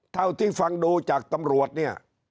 เท่าที่ฟังดูจากตำรวจเนี่ย